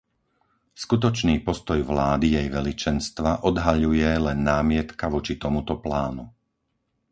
Skutočný postoj vlády Jej Veličenstva odhaľuje len námietka voči tomuto plánu.